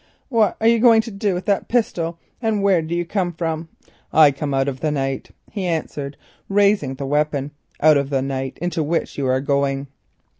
"What are you going to do with that pistol? And where do you come from?" "I come out of the night," he answered, raising the weapon, "out of the night into which you are going."